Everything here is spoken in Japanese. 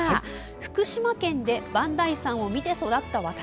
「福島県で磐梯山を見て育った私。